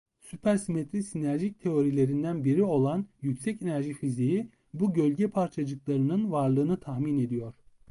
Süpersimetri sinerjik teorilerinden biri olan yüksek enerji fiziği bu "gölge" parçacıklarının varlığını tahmin ediyor.